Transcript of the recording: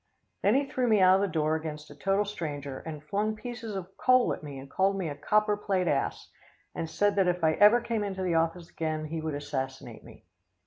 "Then he threw me out of the door against a total stranger, and flung pieces of coal at me and called me a copper plate ass, and said that if I ever came into the office again he would assassinate me.